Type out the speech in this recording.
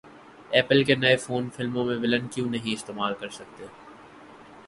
apple کے iPhone فلموں میں ولن کیوں نہیں استعمال کرسکتے